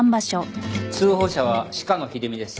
通報者は鹿野秀美です。